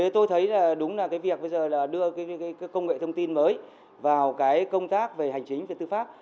tôi thấy đúng là cái việc bây giờ là đưa cái công nghệ thông tin mới vào cái công tác về hành chính về tư pháp